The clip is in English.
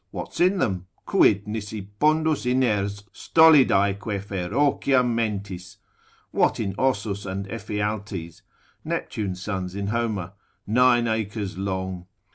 What's in them? Quid nisi pondus iners stolidaeque ferocia memtis, What in Osus and Ephialtes (Neptune's sons in Homer), nine acres long?